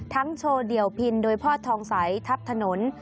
โชว์เดี่ยวพินโดยพ่อทองใสทัพถนน